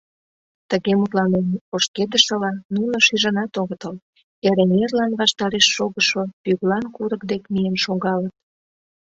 Тыге мутланен ошкедышыла, нуно шижынат огытыл — Эреҥерлан ваштареш шогышо Пӱглан курык дек миен шогалыт.